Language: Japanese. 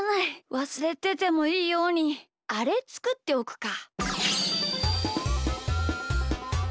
わすれててもいいようにあれつくっておくか。